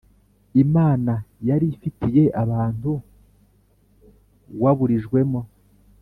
Imana yari ifitiye abantu waburijwemo